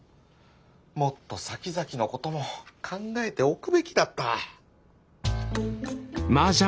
もっとさきざきのことも考えておくべきだった。